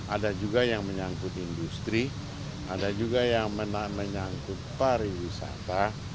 ada juga yang menyangkut industri ada juga yang menyangkut pariwisata